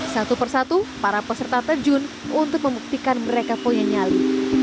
satu persatu para peserta terjun untuk membuktikan mereka punya nyali